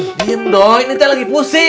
gendoy ini teh lagi pusing